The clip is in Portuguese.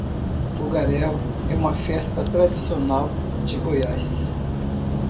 Fogaréu é uma festa tradicional de Goiás